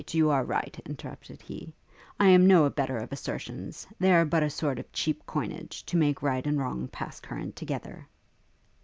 you are right!' interrupted he; 'I am no abettor of assertions. They are but a sort of cheap coinage, to make right and wrong pass current together.'